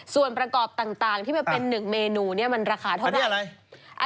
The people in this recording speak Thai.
ส่วนประกอบต่างที่เป็น๑เมนูเนี่ยมันราคาเท่าไหร่อันนี้อะไร